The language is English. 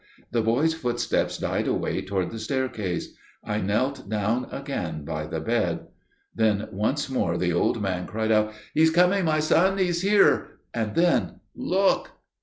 The boy's footsteps died away down the staircase. I knelt down again by the bed. Then once more the old man cried out: "He is coming, my son. He is here:" and then, "Look!"